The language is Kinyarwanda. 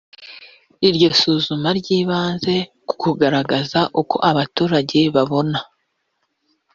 iryo suzuma ryibanze ku kugaragaza uko abaturage babona